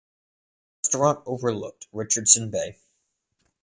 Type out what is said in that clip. The restaurant overlooked Richardson Bay.